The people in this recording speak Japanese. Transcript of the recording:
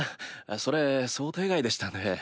それ想定外でしたね。